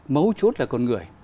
mấu chốt là con người